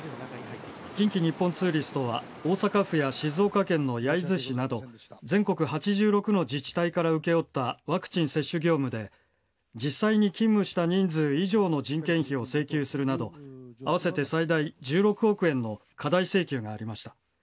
近畿日本ツーリストは大阪府や静岡県の焼津市など全国８６の自治体から請け負ったワクチン接種業務で実際に勤務した人数以上の人件費を請求するなど合わせて最大１６億円の過大請求がありました。